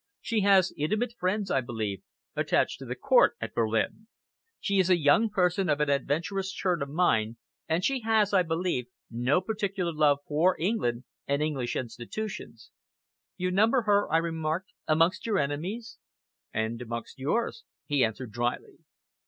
She has intimate friends, I believe, attached to the court at Berlin. She is a young person of an adventurous turn of mind, and she has, I believe, no particular love for England and English institutions." "You number her," I remarked, "amongst your enemies?" "And amongst yours," he answered dryly.